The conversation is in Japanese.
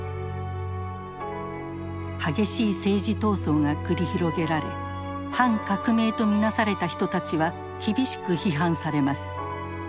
激しい政治闘争が繰り広げられ反革命と見なされた人たちは厳しく批判されます。